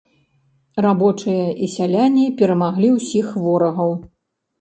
Рабочыя і сяляне перамаглі ўсіх ворагаў.